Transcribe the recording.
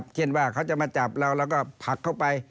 เช่นว่าเขาจะมาจับเราแล้วก็ผลักเข้าไป